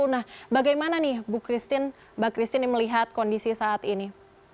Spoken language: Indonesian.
nah bagaimana nih mbak christine melihat kondisi saat ini